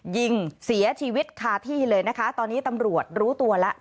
ยิงเสียชีวิตคาที่เลยนะคะตอนนี้ตำรวจรู้ตัวแล้ว